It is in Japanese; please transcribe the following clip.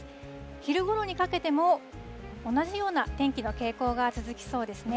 昼ごろにかけても、同じような天気の傾向が続きそうですね。